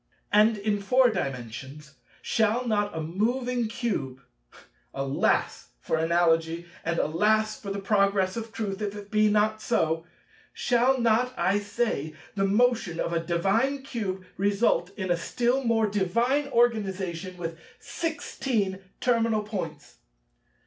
And in Four Dimensions shall not a moving Cube—alas, for Analogy, and alas for the Progress of Truth, if it be not so—shall not, I say, the motion of a divine Cube result in a still more divine Organization with sixteen terminal points?